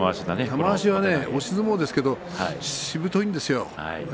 玉鷲は押し相撲ですがしぶといんです。